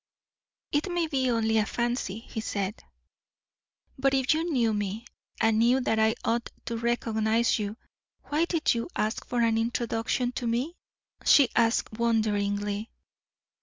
"It may be only a fancy," he said. "But if you knew me, and knew that I ought to recognize you, why did you ask for an introduction to me?" she asked, wonderingly.